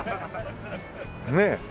ねえ。